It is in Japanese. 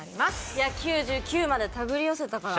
いや９９まで手繰り寄せたから。